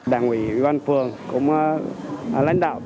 đảng ủy ủy ban phường cũng là lãnh đạo